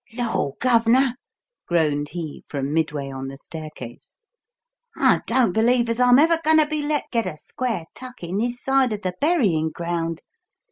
"Law, Gov'nor!" groaned he, from midway on the staircase, "I don't believe as I'm ever goin' to be let get a square tuck in this side of the buryin' ground!